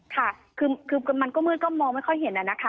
ค่ะคือมันก็มืดก็มองไม่ค่อยเห็นนะคะ